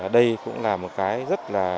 đây cũng là một cái rất là